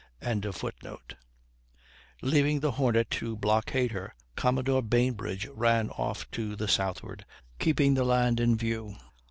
] Leaving the Hornet to blockade her, Commodore Bainbridge ran off to the southward, keeping the land in view.